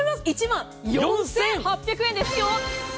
１万４８００円ですよ。